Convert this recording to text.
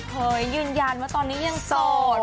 เผยยืนยันว่าตอนนี้ยังโสด